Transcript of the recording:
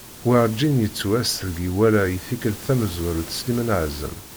Werğin yettu ass deg iwala i tikelt tamezwarut Sliman Azem.